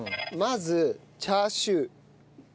まずチャーシュー。